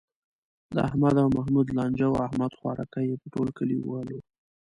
د احمد او محمود لانجه وه، احمد خوارکی یې په ټول کلي و وهلو.